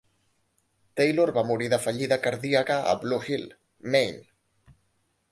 Taylor va morir de fallida cardíaca a Blue Hill, Maine.